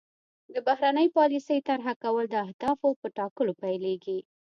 د بهرنۍ پالیسۍ طرح کول د اهدافو په ټاکلو پیلیږي